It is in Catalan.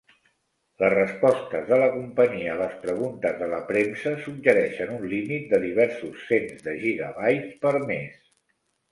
Les respostes de la companyia a las preguntes de la premsa suggereixen un límit de diversos cents de gigabytes per mes.